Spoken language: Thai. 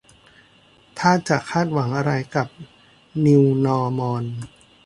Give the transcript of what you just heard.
ถ้าจะคาดหวังอะไรกับ นิวนอร์มอล